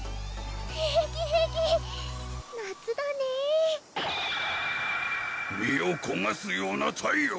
平気平気夏だねぇ身をこがすような太陽！